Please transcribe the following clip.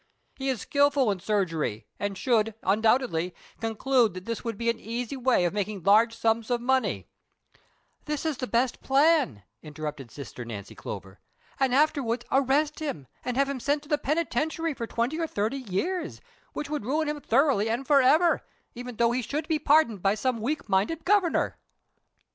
He is skilful in surgery, and should, undoubtedly, conclude that this would be an easy way of making large sums of money "— "This is the best plan," interrupted Sister ITancy Clover ; "and afterwards arrest him and have him sent to the penitentiary for twenty or thirty years, which would ruin him thoroughly and forever, even though he should be pardoned by some weak minded Governor."